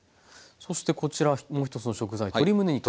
そしてこちらもう一つの食材